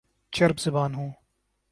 چرب زبان ہوں